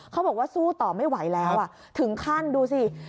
เขาบอกว่าสู้ต่อไม่ไหวแล้วถึงขั้นดูสิ